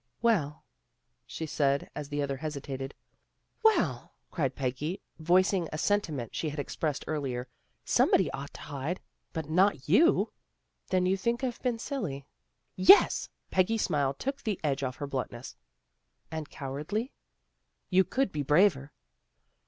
" Well? " she said as the other hesitated. " Well," cried Peggy, voicing a sentiment she had expressed earlier, " somebody ought to hide. But not you." " Then you think I've been silly." " Yes." Peggy's smile took the edge off her bluntness. "And cowardly?" " You could be braver."